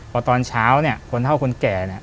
พอตอนเช้าเนี่ยคนเท่าคนแก่เนี่ย